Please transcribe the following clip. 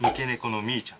みーちゃん。